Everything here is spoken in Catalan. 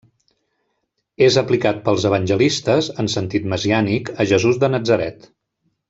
És aplicat pels evangelistes, en sentit messiànic, a Jesús de Natzaret.